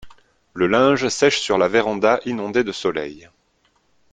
Le linge sèche sur la véranda inondée de soleil.